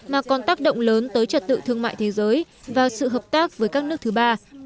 mà còn tác động lớn tới trật tự thương mại thế giới và sự hợp tác với các nước thứ ba